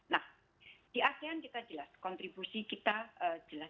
nah di asean kita jelas kontribusi kita jelas